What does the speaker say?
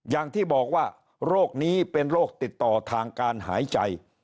อย่างที่บอกว่าโรคนี้เป็นโรคติดต่อทางการหายใจ